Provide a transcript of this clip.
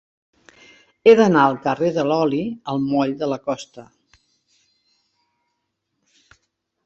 He d'anar del carrer de l'Oli al moll de la Costa.